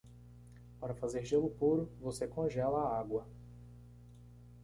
Para fazer gelo puro?, você congela a água.